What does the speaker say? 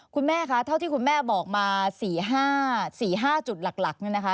คุณแม่คะเท่าที่คุณแม่บอกมา๔๕จุดหลักเนี่ยนะคะ